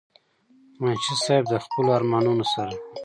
منشي صېب د خپلو ارمانونو سره